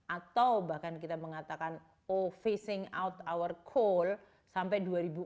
atau bahkan kita mengatakan oh phishing out our coal sampai dua ribu empat puluh